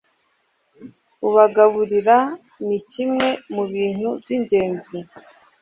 ubagaburira ni kimwe mu bintu byingenzi